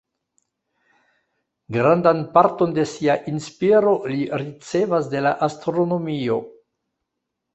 Grandan parton de sia inspiro li ricevas de la astronomio.